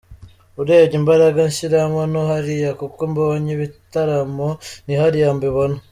Urebye imbaraga nshyiramo ni hariya kuko mbonye ibitaramo, ni hariya mbibona.